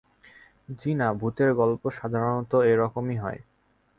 জ্বি-না, ভূতের গল্প সাধারণত এ-রকমই হয়।